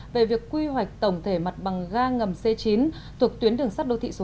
về việc quy hoạch tổng thể mặt bằng ga ngầm c chín thuộc tuyến đường sắt đô thị số một